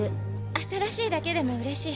新しいだけでもうれしい。